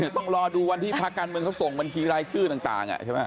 ต้องรอดูวันที่พักการเมืองเขาส่งบัญชีรายชื่อต่างใช่ไหม